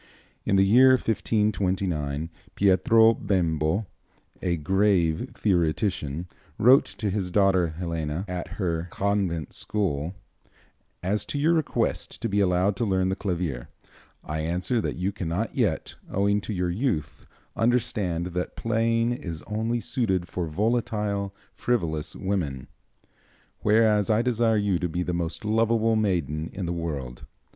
In the year 1529, Pietro Bembo, a grave theoretician, wrote to his daughter Helena, at her convent school: "As to your request to be allowed to learn the clavier, I answer that you cannot yet, owing to your youth, understand that playing is only suited for volatile, frivolous women; whereas I desire you to be the most lovable maiden in the world.